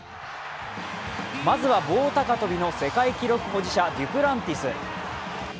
まずは棒高跳の世界記録保持者デュプランティス。